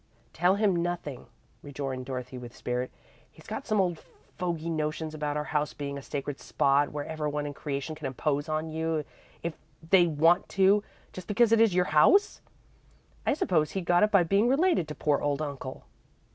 "Tell him nothing," rejoined Dorothy, with spirit. "He's got some old fogy notions about your house being a sacred spot where everybody in creation can impose on you if they want to, just because it is your house. I suppose he got it by being related to poor old uncle."